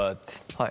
はい。